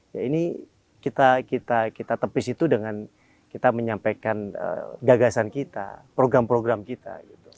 ya ini kita tepis itu dengan kita menyampaikan gagasan kita program program kita